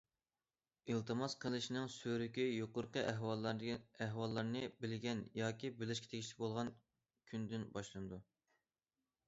ئىلتىماس قىلىشنىڭ سۈرۈكى يۇقىرىقى ئەھۋاللارنى بىلگەن ياكى بىلىشكە تېگىشلىك بولغان كۈندىن باشلىنىدۇ.